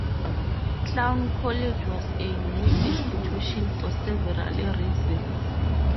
Clown College was a unique institution for several reasons.